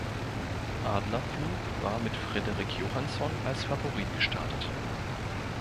Adlerflug war mit Frederik Johansson als Favorit gestartet.